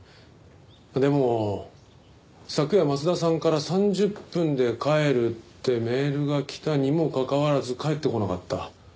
でも昨夜松田さんから「３０分で帰る」ってメールが来たにもかかわらず帰ってこなかった。